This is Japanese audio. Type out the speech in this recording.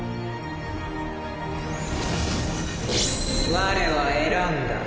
我は選んだ。